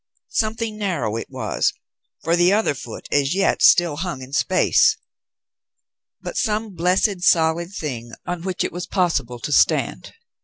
Something narrow it was, for the other foot as yet still hung in space, but some blessed solid thing on which it was possible to stand.